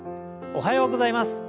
おはようございます。